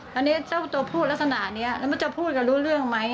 แล้วเจ้าตัวพูดลักษณะนี้เราจะพูดกันรู้เรื่องไหม